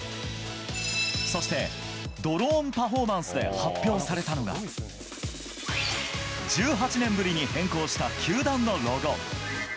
そしてドローンパフォーマンスで発表されたのが１８年ぶりに変更した球団のロゴ。